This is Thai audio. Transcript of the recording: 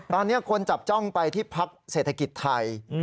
ตอนนี้คนจับจ้องไปที่พักเศรษฐกิจไทย